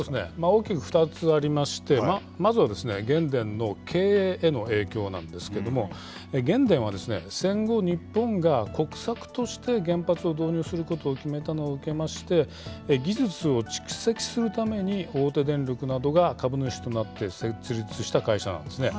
大きく２つありまして、まずはですね、原電の経営への影響なんですけども、原電は戦後日本が国策として原発を導入することを決めたのを受けまして、技術を蓄積するために大手電力などが株主となって設立した会社なんですね。